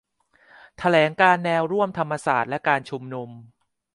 แถลงการณ์แนวร่วมธรรมศาสตร์และการชุมนุม